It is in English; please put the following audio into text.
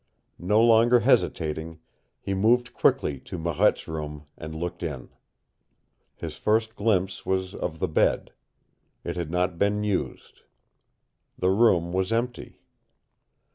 No longer hesitating, he moved quickly to Marette's room and looked in. His first glimpse was of the bed. It had not been used. The room was empty.